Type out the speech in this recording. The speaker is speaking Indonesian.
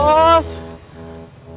lu juga kagak suruh